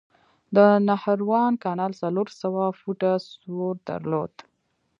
د نهروان کانال څلور سوه فوټه سور درلود.